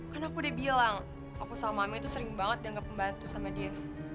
kan aku udah bilang aku sama mami tuh sering banget dianggap pembantu sama dia